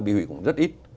bị hủy cũng rất ít